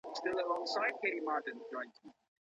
يوازي د طلاق واک له خاوند سره دی.